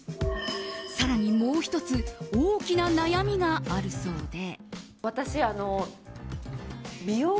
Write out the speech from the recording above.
更に、もう１つ大きな悩みがあるそうで。